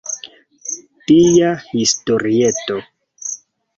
Tia historieto.